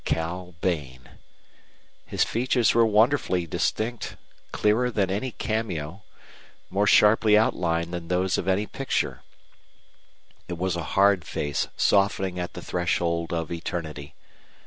Cal Bain! His features were wonderfully distinct, clearer than any cameo, more sharply outlined than those of any picture. It was a hard face softening at the threshold of eternity.